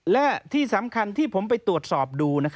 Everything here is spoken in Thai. และที่สำคัญที่ผมไปตรวจสอบดู